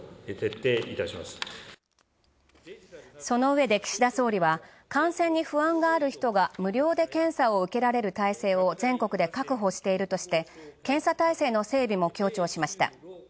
そのうえで岸田総理は感染に不安がある人が無料で検査を受けられる体制を全国で確保しているとして、検査体制の整備も強調しました。